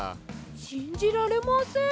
しんじられません。